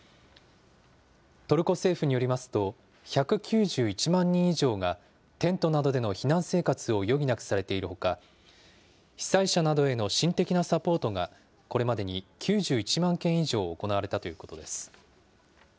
トルコ政府によりますと、１９１万人以上がテントなどでの避難生活を余儀なくされているほか、被災者などへの心的なサポートが、これまでに９１万件以上行われたということです。